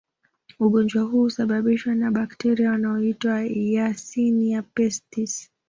Ugonjwa huu husababishwa na bakteria wanaoitwa yersinia pestis